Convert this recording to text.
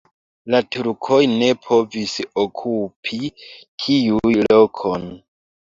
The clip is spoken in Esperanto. La turkoj ne povis okupi tiun lokon.